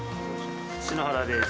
篠原です。